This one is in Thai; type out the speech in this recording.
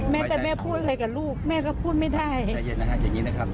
แต่แม่พูดอะไรกับลูกแม่ก็พูดไม่ได้นะฮะอย่างนี้นะครับ